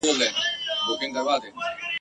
خو په جوغ پوري تړلی وو، بوده وو ..